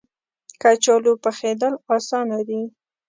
کچالو پخېدل اسانه دي